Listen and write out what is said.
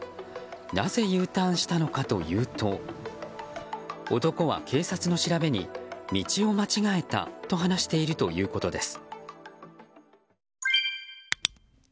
なぜＵターンしたのかというと男は警察の調べに道を間違えたと話しているということです。